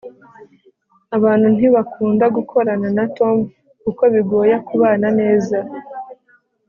abantu ntibakunda gukorana na tom kuko bigoye kubana neza